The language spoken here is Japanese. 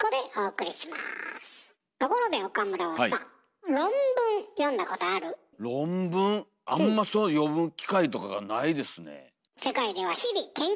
ところで岡村はさ論文あんまそういうの読む機会とかがないですね。